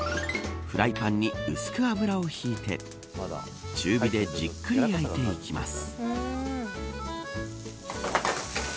フライパンに薄く油を引いて中火でじっくり焼いていきます。